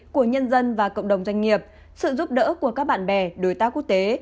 của nhân dân và cộng đồng doanh nghiệp sự giúp đỡ của các bạn bè đối tác quốc tế